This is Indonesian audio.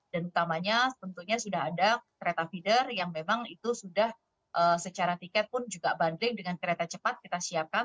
dan utamanya tentunya sudah ada kereta feeder yang memang itu sudah secara tiket pun juga banding dengan kereta cepat kita siapkan